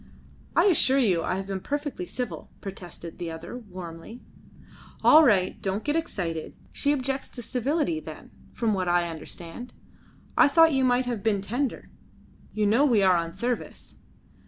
"I assure you I have been perfectly civil," protested the other warmly. "All right. Don't get excited. She objects to civility, then, from what I understand. I thought you might have been tender. You know we are on service."